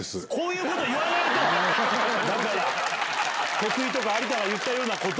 徳井とか有田が言ったようなこと。